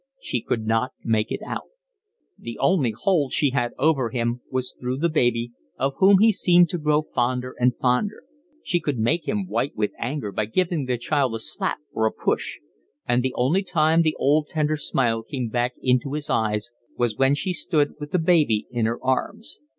She could not make it out. The only hold she had over him was through the baby, of whom he seemed to grow fonder and fonder: she could make him white with anger by giving the child a slap or a push; and the only time the old, tender smile came back into his eyes was when she stood with the baby in her arms.